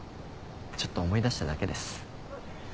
ちょっと思い出しただけです。